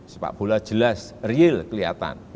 sepak bola jelas real kelihatan